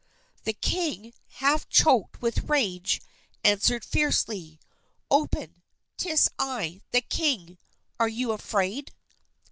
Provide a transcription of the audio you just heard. The king, half choked with rage, answered fiercely, "Open, 'tis I, the king. Are you afraid?"